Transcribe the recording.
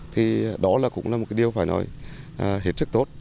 thì đó cũng là một cái điều phải nói hiệt sức tốt